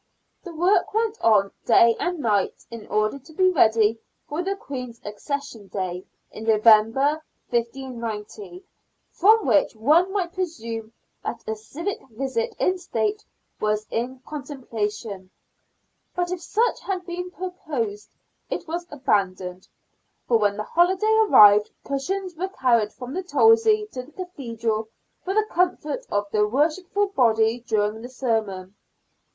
The work went on day and night in order to be ready for the Queen's Accession Day, in November, 1590, from which one migjit presume that a civic visit in State was in contemplation ; but if such had been purposed it was abandoned, for when the holiday arrived cushions were carried from the Tolzey to the Cathedral for the comfort of the worshipful body during the sermon.